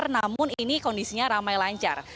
namun ini kondisinya ramai lancar